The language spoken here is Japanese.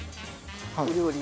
お料理